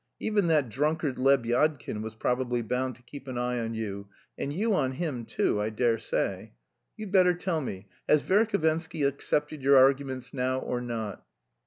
Even that drunkard, Lebyadkin, was probably bound to keep an eye on you, and you on him, too, I dare say? You'd better tell me, has Verhovensky accepted your arguments now, or not?"